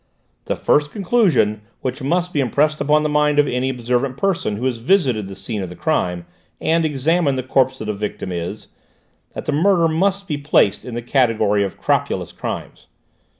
The first conclusion which must be impressed upon the mind of any observant person who has visited the scene of the crime and examined the corpse of the victim is, that this murder must be placed in the category of crapulous crimes.